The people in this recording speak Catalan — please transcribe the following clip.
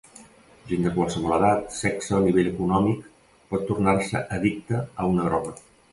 Gent de qualsevol edat, sexe o nivell econòmic pot tornar-se addicta a una droga.